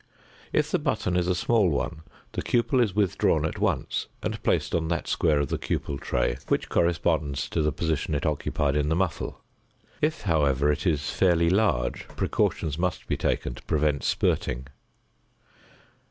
If the button is a small one the cupel is withdrawn at once and placed on that square of the cupel tray which corresponds to the position it occupied in the muffle. If, however, it is fairly large precautions must be taken to prevent spirting.